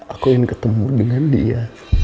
aku ingin ketemu dengan dia